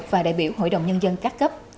và đại biểu hội đồng nhân dân các cấp